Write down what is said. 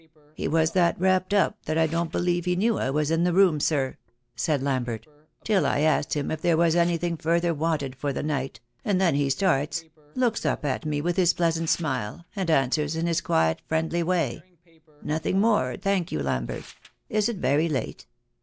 "He was that wrapped up that I don't believe he knew I was in the room, sir," said Lambert, "till I asked him if there was anything further wanted for the night, and then he starts, looks up at me with his pleasant smile, and answers in his quiet friendly way, 'Nothing more, thank you, Lambert. Is it very late?'